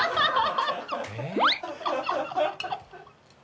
えっ？